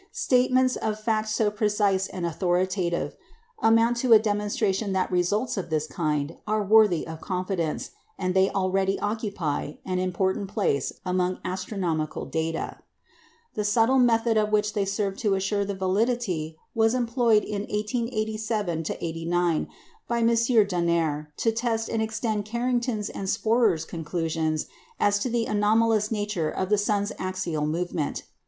Statements of fact so precise and authoritative amount to a demonstration that results of this kind are worthy of confidence; and they already occupy an important place among astronomical data. The subtle method of which they served to assure the validity was employed in 1887 9 by M. Dunér to test and extend Carrington's and Spörer's conclusions as to the anomalous nature of the sun's axial movement.